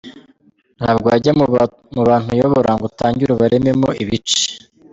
Ntabwo wajya mu bantu uyobora ngo utangire ubarememo ibice.